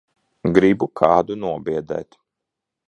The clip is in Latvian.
Gribu kādu nobiedēt.